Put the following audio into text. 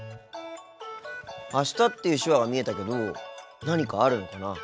「あした」っていう手話が見えたけど何かあるのかな？